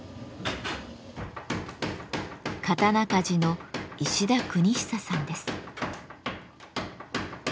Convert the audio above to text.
刀鍛冶の石田國壽さんです。